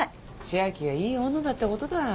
千明がいい女だってことだよ。